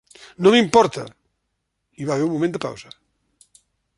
"No m'importa". Hi va haver un moment de pausa.